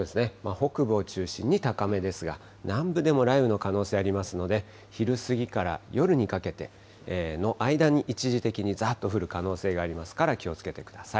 北部を中心に高めですが、南部でも雷雨の可能性ありますので、昼過ぎから夜にかけての間に一時的にざっと降る可能性がありますから気をつけてください。